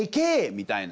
みたいな。